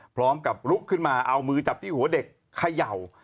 ลุกขึ้นมาเอามือจับที่หัวเด็กเขย่า